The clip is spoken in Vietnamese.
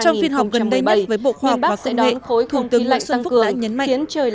trong phiên họp gần đây nhất với bộ khoa học và công nghệ thủ tướng nguyễn xuân phúc đã nhấn mạnh